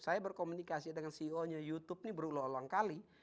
saya berkomunikasi dengan ceo nya youtube ini berulang ulang kali